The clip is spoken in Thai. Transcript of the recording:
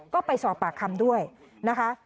ก็ไปสอบปากคำด้วยนะคะ